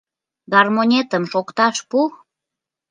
Гармонетым шокташ пу.